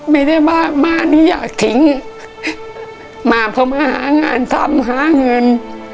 ไม่ได้ว่าบ้านนี้อยากทิ้งมาเพราะมาหางานทำหาเงิน